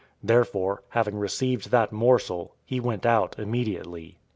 013:030 Therefore, having received that morsel, he went out immediately.